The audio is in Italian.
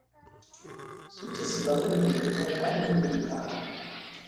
Successivamente eliminò il termine "militare".